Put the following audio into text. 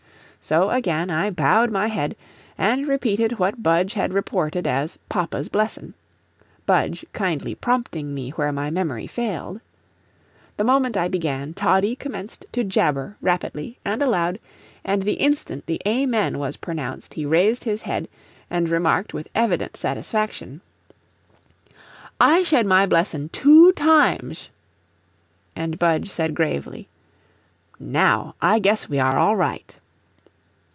So again I bowed my head, and repeated what Budge had reported as "papa's blessin'," Budge kindly prompting me where my memory failed. The moment I began, Toddie commenced to jabber rapidly and aloud, and the instant the "Amen" was pronounced he raised his head and remarked with evident satisfaction: "I shed my blessin' TWO timesh." And Budge said gravely: "NOW I guess we are all right."